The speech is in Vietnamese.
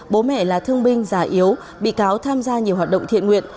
bố mẹ là thương binh già yếu bị cáo tham gia nhiều hoạt động thiện nguyện